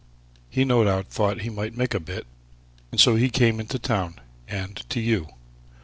He no doubt thought he might make a bit and so he came in to town, and to you."